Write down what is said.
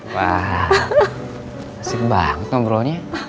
wah asik banget ngobrolnya